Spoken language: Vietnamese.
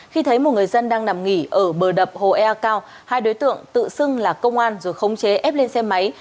khi thấy một người dân đang nằm nghỉ ở bờ đập hồ ea cao hai đối tượng tự xưng là công an rồi khống chế ép lên xe máy